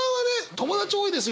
友達多いですよね！